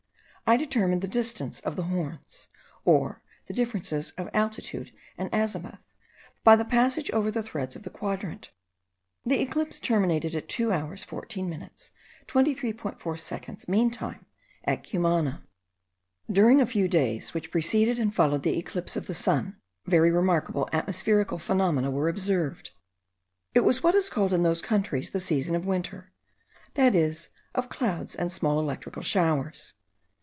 I determined the distance of the horns, or the differences of altitude and azimuth, by the passage over the threads of the quadrant. The eclipse terminated at 2 hours 14 minutes 23.4 seconds mean time, at Cumana. During a few days which preceded and followed the eclipse of the sun, very remarkable atmospherical phenomena were observable. It was what is called in those countries the season of winter; that is, of clouds and small electrical showers.